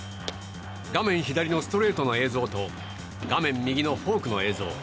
画面左のストレートの映像と画面右のフォークの映像。